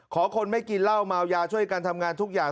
คนไม่กินเหล้าเมายาช่วยกันทำงานทุกอย่าง